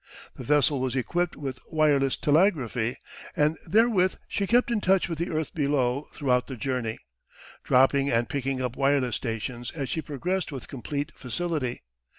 The vessel was equipped with wireless telegraphy and therewith she kept in touch with the earth below throughout the journey, dropping and picking up wireless stations as she progressed with complete facility.